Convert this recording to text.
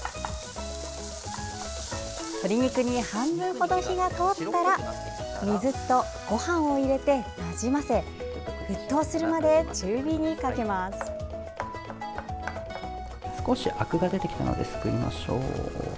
鶏肉に半分ほど火が通ったら水とごはんを入れてなじませ沸騰するまで中火にかけます。